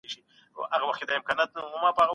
همدا نن یې پیل کړئ.